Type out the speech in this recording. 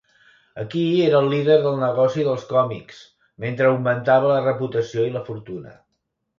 Aquí era el líder del negoci dels còmics, mentre augmentava la reputació i la fortuna.